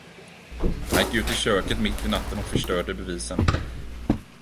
Han gick ut i köket mitt i natten och förstörde bevisen.